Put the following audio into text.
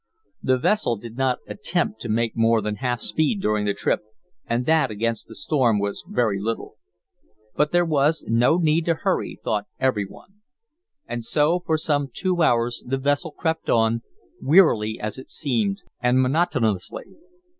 The vessel did not attempt to make more than half speed during the trip, and that, against the storm, was very little. But there was no need to hurry thought every one. And so for some two hours the vessel crept on, wearily as it seemed and monotonously.